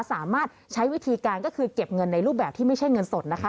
สามารถใช้วิธีการก็คือเก็บเงินในรูปแบบที่ไม่ใช่เงินสดนะคะ